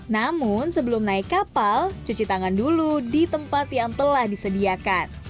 namun sebelum naik kapal cuci tangan dulu di tempat yang telah disediakan